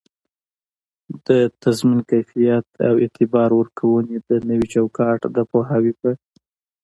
د تضمین کیفیت او اعتبار ورکووني د نوي چوکات د پوهاوي په